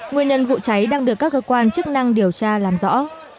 nguyên nhân vụ cháy đang được các cơ quan chức năng điều tra làm rõ